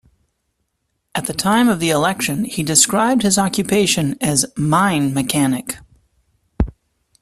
At the time of the election, he described his occupation as "mine mechanic".